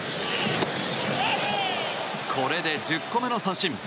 これで１０個目の三振。